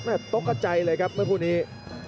พยายามจะไถ่หน้านี่ครับการต้องเตือนเลยครับ